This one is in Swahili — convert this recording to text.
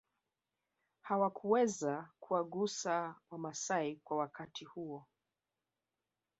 Hawakuweza kuwagusa wamasai kwa wakati huo